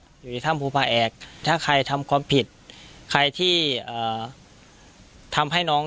อยู่ในถ้ำภูผาแอกถ้าใครทำความผิดใครที่เอ่อทำให้น้อง